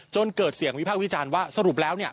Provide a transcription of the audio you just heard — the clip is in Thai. จนเกิดเสียงวิภาควิจารณ์ว่าสรุปแล้วเนี่ย